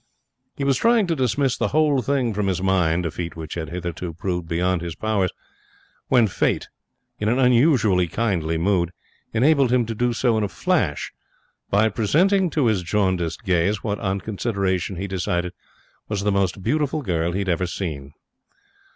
He was trying to dismiss the whole thing from his mind a feat which had hitherto proved beyond his powers when Fate, in an unusually kindly mood, enabled him to do so in a flash by presenting to his jaundiced gaze what, on consideration, he decided was the most beautiful girl he had ever seen.